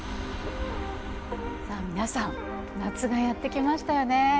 さあ皆さん夏がやって来ましたよね。